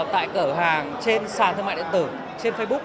tại cửa hàng trên sàn thương mại điện tử trên facebook